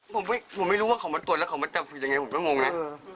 ผมไม่รู้ว่าเขามาตรวจแล้วเขามาจับยังไงผมก็งงนะ